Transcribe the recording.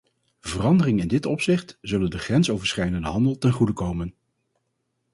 Veranderingen in dit opzicht zullen de grensoverschrijdende handel ten goede komen.